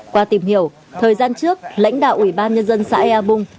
qua tìm hiểu thời gian trước lãnh đạo ủy ban nhân dân xã ea bung